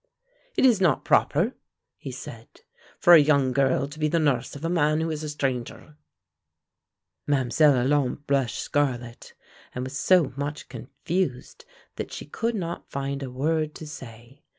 "It is not proper," he said, "for a young girl to be the nurse of a man who is a stranger." Mlle. Olympe blushed scarlet, and was so much confused that she could not find a word to say.